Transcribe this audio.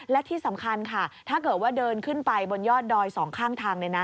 และที่สำคัญค่ะถ้าเกิดว่าเดินขึ้นไปบนยอดดอยสองข้างทางเลยนะ